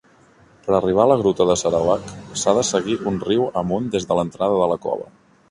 Per arribar a la gruta de Sarawak, s'ha de seguir un riu amunt des de l'entrada de la cova.